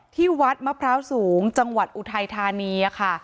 ที่วัดมะพร้าวสูงจังหวัดอุทัยธานีค่ะ